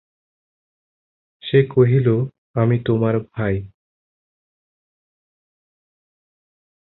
সে কহিল,"আমি তোমার ভাই।"